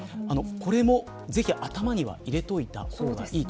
これもぜひ頭には入れていたほうがいいと